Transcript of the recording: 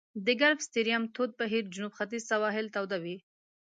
د ګلف ستریم تود بهیر جنوب ختیځ سواحل توده وي.